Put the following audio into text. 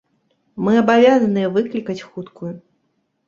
Мы абавязаныя выклікаць хуткую.